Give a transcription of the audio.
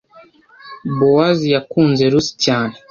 Bowazi yakunze Rusi cyane